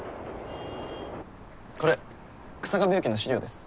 これ日下部由紀の資料です。